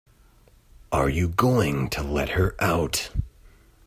Are you going to let her out?